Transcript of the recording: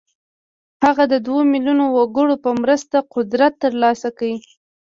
هغه د دوه ميليونه وګړو په مرسته قدرت ترلاسه کړ.